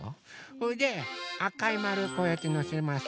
それであかいまるこうやってのせます。